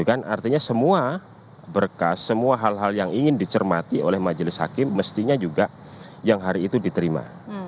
artinya semua berkas semua hal hal yang ingin dicermati oleh majelis hakim mestinya juga yang hari itu diterima